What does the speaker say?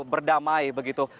tetap berdamai begitu